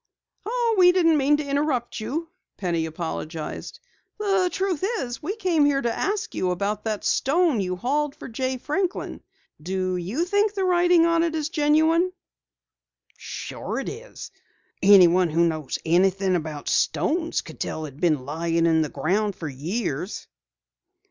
"Oh, we didn't mean to interrupt you," Penny apologized. "The truth is, we came here to ask you about that stone you hauled for Jay Franklin. Do you think the writing on it is genuine?" "Sure it is. Anyone who knows anything about stones could tell it had been lying in the ground for years."